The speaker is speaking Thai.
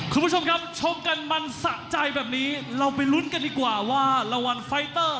คุณผู้ชมครับชกกันมันสะใจแบบนี้เราไปลุ้นกันดีกว่าว่ารางวัลไฟเตอร์